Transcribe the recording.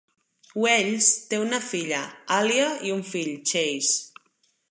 Wells té una filla, Alyiah, i un fill, Chase.